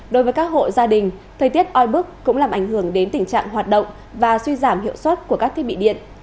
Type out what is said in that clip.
đối với các hộ gia đình thời tiết oi bức cũng làm ảnh hưởng đến tình trạng hoạt động và suy giảm hiệu suất của các thiết bị điện